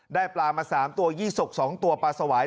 ได้ปลามา๓ตัวยี่สก๒ตัวปลาสวาย